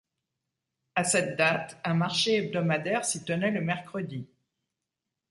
À cette date un marché hebdomadaire s'y tenait le mercredi.